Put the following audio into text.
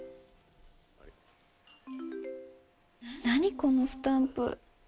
何このスタンプ。